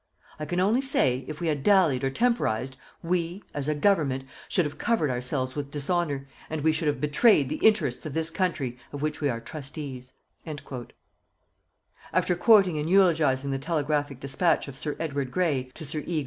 I can only say, if we had dallied or temporized, we, as a Government, should have covered ourselves with dishonour, and we should have betrayed the interests of this country, of which we are trustees. After quoting and eulogizing the telegraphic despatch of Sir Edward Grey to Sir E.